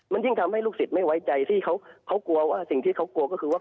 มันยิ่งทำให้ลูกศิษย์ไม่ไว้ใจที่เขากลัวว่าสิ่งที่เขากลัวก็คือว่า